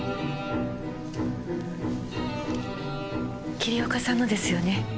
桐岡さんのですよね？